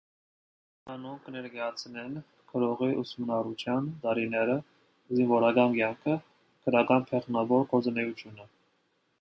Անոնք կը ներկայացնեն գրողի ուսումնառութեան տարիները, զինուորական կեանքը, գրական բեղնաւոր գործունէութիւնը։